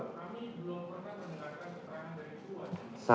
kami belum pernah menerangkan perang dari kuat